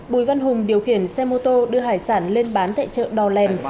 bùi văn hùng điều khiển xe mô tô đưa hải sản lên bán tại chợ đò lèn